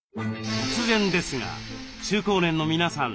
突然ですが中高年の皆さん